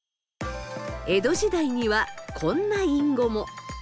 江戸時代にはこんな隠語も。